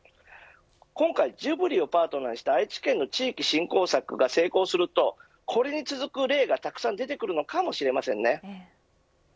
今回、ジブリをパートナーにした愛知県の地域振興策が成功するとこれに続く例が、たくさん出てくるかもしれません。